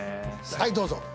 はいどうぞ。